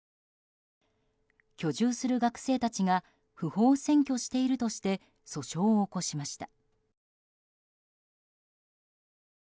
居住する学生たちが不法占拠しているとして訴訟を起こしました。